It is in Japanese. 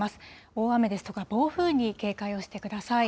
大雨ですとか暴風に警戒をしてください。